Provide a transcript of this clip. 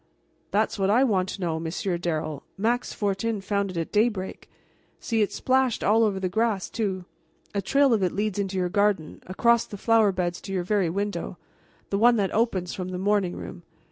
"That's what I want to know, Monsieur Darrel. Max Fortin found it at daybreak. See, it's splashed all over the grass, too. A trail of it leads into your garden, across the flower beds to your very window, the one that opens from the morning room.